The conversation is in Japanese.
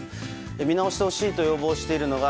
見直してほしいと要望しているのが